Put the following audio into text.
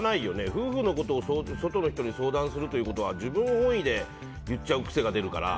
夫婦のことを外の人に相談するってことは自分本位で言っちゃう癖が出るから。